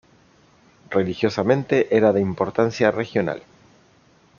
Religiosamente, era de importancia regional.